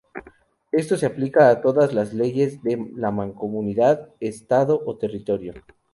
Esto se aplica a todas las leyes de la mancomunidad, estado o territorio.